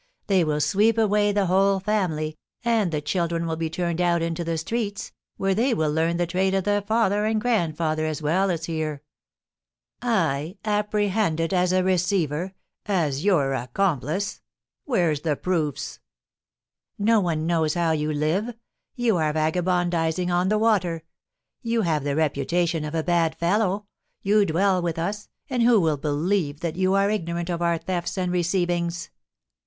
They will sweep away the whole family, and the children will be turned out into the streets, where they will learn the trade of their father and grandfather as well as here." "I apprehended as a receiver, as your accomplice? Where's the proofs?" "No one knows how you live. You are vagabondising on the water; you have the reputation of a bad fellow; you dwell with us, and who will believe that you are ignorant of our thefts and receivings?"